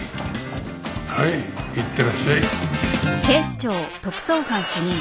はいいってらっしゃい。